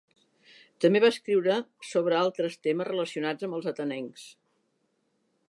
També va escriure sobre altres temes relacionats amb els atenencs.